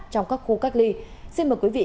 trong các khu cách ly xin mời quý vị